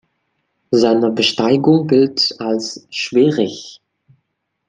Seine Besteigung gilt als schwierig.